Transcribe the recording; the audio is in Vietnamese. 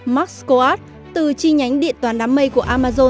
mark scott từ chi nhánh điện toán đám mây của amazon